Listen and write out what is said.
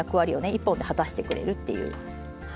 １本で果たしてくれるっていう。